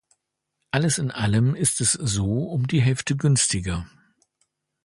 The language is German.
Alles in allem ist es so um die Hälfte günstiger.